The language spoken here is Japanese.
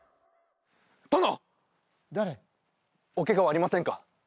殿おケガはありませんか？